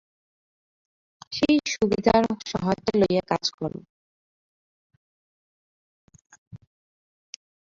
সেই সুবিধার সহায়তা লইয়া কাজ কর।